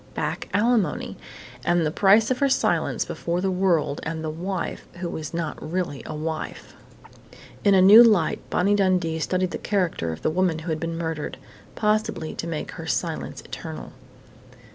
Back alimony! And the price of her silence before the world and the wife who was not really a wife.... In a new light, Bonnie Dundee studied the character of the woman who had been murdered possibly to make her silence eternal.